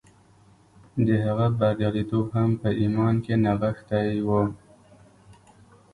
د هغه بریالیتوب هم په ایمان کې نغښتی و